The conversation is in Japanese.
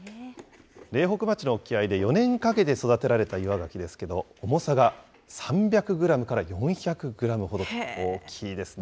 苓北町の沖合で４年かけて育てられた岩がきですけれども、重さが３００グラムから４００グラムほどと大きいですね。